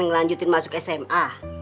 ngelanjutin masuk sma